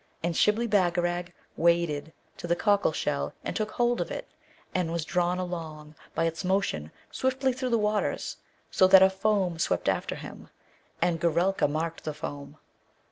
And Shibli Bagarag waded to the cockle shell and took hold of it, and was drawn along by its motion swiftly through the waters, so that a foam swept after him; and Goorelka marked the foam.